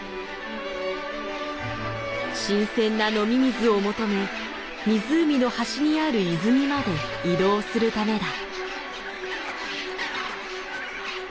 新鮮な飲み水を求め湖の端にある泉まで移動するためだ。